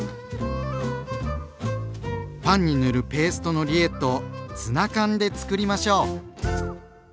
パンに塗るペーストのリエットをツナ缶でつくりましょう。